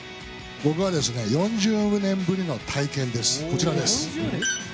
僕は４０年ぶりの体験です。